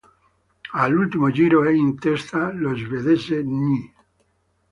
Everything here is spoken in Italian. All'ultimo giro è in testa lo svedese Ny.